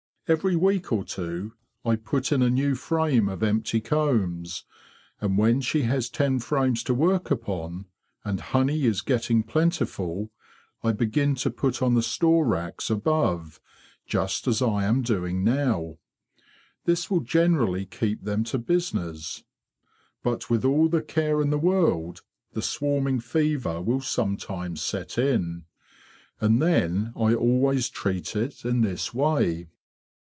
Every week or two IJ put in a new frame of empty combs, and when shé has ten frames to work upon, and honey is getting plentiful, I begin to put on the store racks above, just as I am doing now. This will generally keep them to business; but with all the care in the world the swarming fever will sometimes set in. And then I always treat it in this way."